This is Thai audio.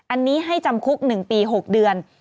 อันนี้ให้จำคุก๑ปี๖เดือน